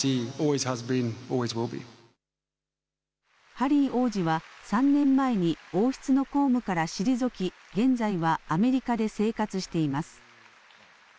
ハリー王子は３年前に王室の公務から退き、現在はアメリカで生活しています。